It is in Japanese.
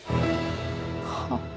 はっ？